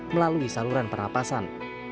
melalui saluran pernafasan